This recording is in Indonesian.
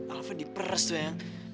alva diperes tuh yang